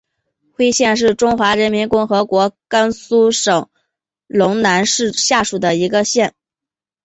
徽县是中华人民共和国甘肃省陇南市下属的一个县。